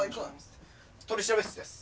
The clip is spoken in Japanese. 取調室です。